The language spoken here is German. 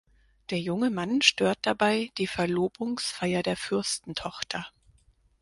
Der junge Mann stört dabei die Verlobungsfeier der Fürstentochter.